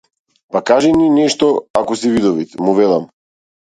Па кажи ни нешто ако си видовит, му велам.